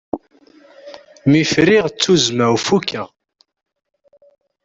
Mi friɣ ttuzma-w fukeɣ.